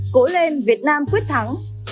cố lên việt nam quyết thắng